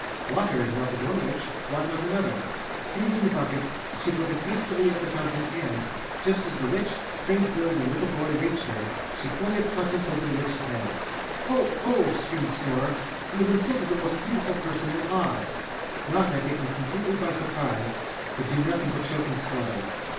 Water had melted one witch— why not another? Seizing the bucket, she filled it hastily at the fountain and, just as the witch, strange 243 The Cowardly Lion of Oz bird and little boy reached her, she flung its contents over the witch's head. "Oh! Oh!" screamed Snorer. "You have insulted the most beautiful person in Oz." Notta, taken completely by surprise, could do nothing but choke and splutter.